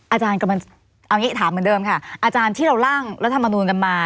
อาจารย์กำลังเอาอย่างนี้ถามเหมือนเดิมค่ะอาจารย์ที่เราร่างรัฐมนูลกันมา